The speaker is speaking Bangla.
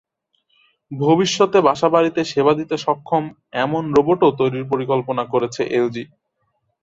ভবিষ্যতে বাসা বাড়িতে সেবা দিতে সক্ষম এমন রোবটও তৈরির পরিকল্পনা করছে এলজি।